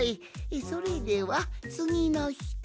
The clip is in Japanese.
それではつぎのひと！